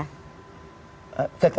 keikhlasan apa ya